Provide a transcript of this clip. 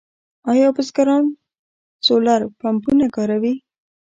آیا بزګران سولر پمپونه کاروي؟